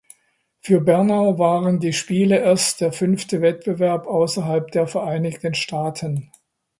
Für Bernau waren die Spiele erst der fünfte Wettbewerb außerhalb der Vereinigten Staaten.